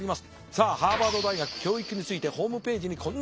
さあハーバード大学教育についてホームページにこんな使命を掲げております。